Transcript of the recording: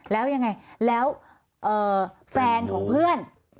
แล้วยังไงแล้วแฟนของเพื่อน